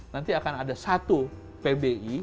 nanti akan ada satu pbi